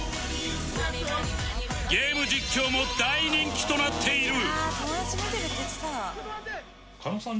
ゲーム実況も大人気となっている